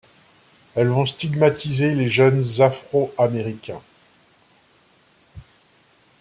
Elles vont stigmatiser les jeunes Afro-américains.